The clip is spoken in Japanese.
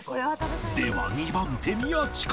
では２番手宮近